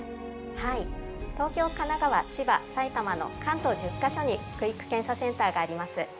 はい東京・神奈川・千葉・埼玉の関東１０か所にクイック検査センターがあります。